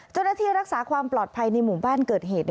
เจ้าหน้าที่รักษาความปลอดภัยในหมู่บ้านเกิดเหตุ